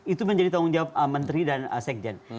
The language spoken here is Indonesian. itu menjadi tanggung jawab menteri dan sekjen